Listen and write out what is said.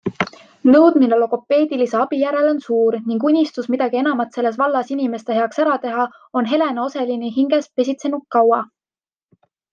Nõudmine logopeedilise abi järele on suur ning unistus midagi enamat selles vallas inimeste heaks ära teha, on Helena Oselini hinges pesitsenud kaua.